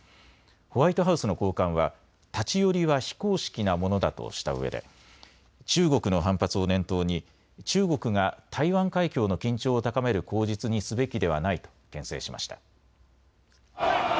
ホワイトハウスの高官は立ち寄りは非公式なものだとしたうえで中国の反発を念頭に中国が台湾海峡の緊張を高める口実にすべきではないとけん制しました。